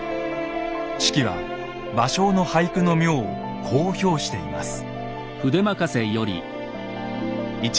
子規は芭蕉の俳句の妙をこう評しています。